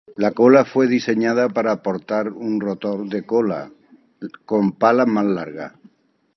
La cola fue rediseñada para portar un rotor de cola con palas más largas.